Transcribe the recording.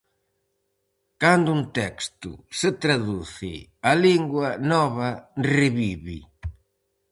Cando un texto se traduce a lingua nova revive.